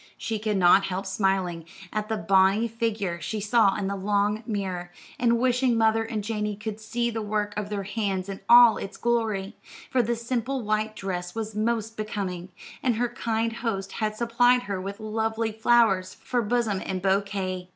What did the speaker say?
She could not help smiling at the bonny figure she saw in the long mirror, and wishing mother and Janey could see the work of their hands in all its glory; for the simple white dress was most becoming, and her kind host had supplied her with lovely flowers for bosom and bouquet.